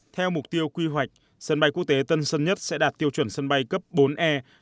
theo mục tiêu quy hoạch sân bay quốc tế tân sơn nhất sẽ đạt tiêu chuẩn sân bay cấp bốn e